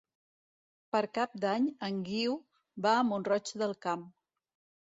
Per Cap d'Any en Guiu va a Mont-roig del Camp.